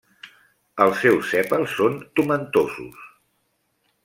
Els seus sèpals són tomentosos.